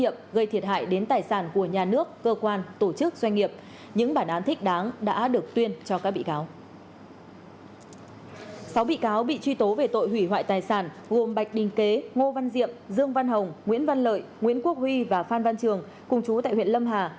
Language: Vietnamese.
sáu bị hại bị truy tố về tội hủy hoại tài sản gồm bạch đình kế ngô văn diệm dương văn hồng nguyễn văn lợi nguyễn quốc huy và phan văn trường cùng chú tại huyện lâm hà